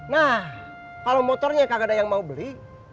nah kalau motornya kadang ada yang mau beli